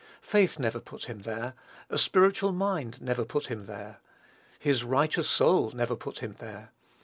Faith never put him there; a spiritual mind never put him there; "his righteous soul" never put him there.